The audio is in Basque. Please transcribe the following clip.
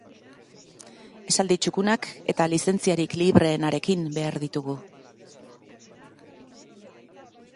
Esaldi txukunak eta lizentziarik libreenarekin behar ditugu.